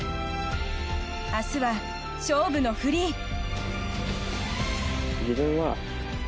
明日は勝負のフリー。